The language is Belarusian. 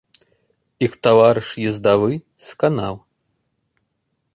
Іх таварыш ездавы сканаў.